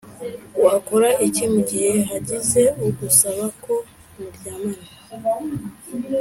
Wakora iki mu gihe hagize ugusaba ko muryamana